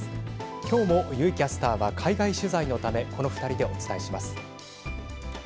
今日も油井キャスターは海外取材のためこの２人でお伝えします。